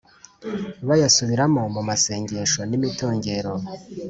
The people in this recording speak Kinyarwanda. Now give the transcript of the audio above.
bayasubiramo mu masengesho n’imitongero